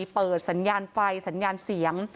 เปิดสัญญาณไฟสัญญาณเสียง